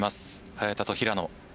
早田と平野。